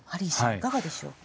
いかがでしょうか？